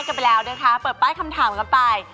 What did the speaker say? ช่วงที่แล้วนะคะเราได้เปิดแผ่นป้ายคำถามกันไป